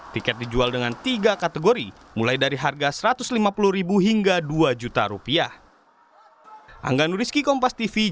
tiket dijual dengan tiga kategori mulai dari harga rp satu ratus lima puluh hingga rp dua